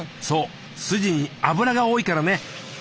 そうスジに脂が多いからね。